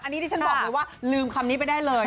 อันนี้ดิฉันบอกเลยว่าลืมคำนี้ไปได้เลย